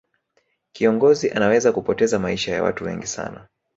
kiongozi anaweza kupoteza maisha ya watu wengi sana